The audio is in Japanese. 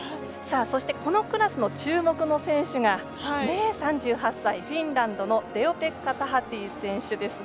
そしてこのクラスの注目の選手が３８歳、フィンランドのレオペッカ・タハティ選手ですね。